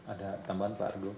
ada tambahan pak argo